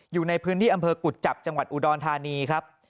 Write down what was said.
อยู่ในพื้นที่อำเภอกุจจับจังหวัดอุดรธานีครับ